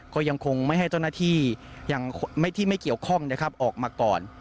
ก็ยังคงไม่ให้เจ้าหน้าที่ที่ไม่เกี่ยวข้องนะครับออกมาก่อน